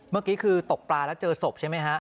เมื่อกี้คือตกปลาแล้วเจอศพใช่ไหมฮะ